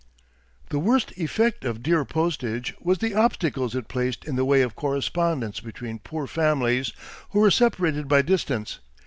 The worst effect of dear postage was the obstacles it placed in the way of correspondence between poor families who were separated by distance.